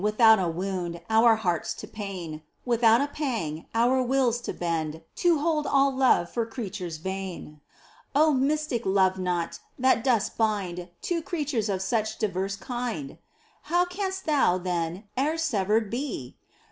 Without a wound, our hearts to pain — Without a pang, our wills to bend To hold all love for creatures vain. mystic love knot, that dost bind Two beings of such diverse kind ! How canst Thou, then, e'er severed be